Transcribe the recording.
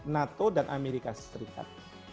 nato dan amerika serikat